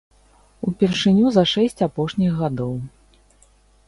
Упершыню за шэсць апошніх гадоў.